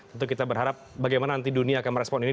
tentu kita berharap bagaimana nanti dunia akan merespon ini